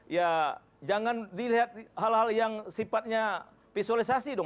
ya jangan dilihat hal hal yang sifatnya visualisasi dong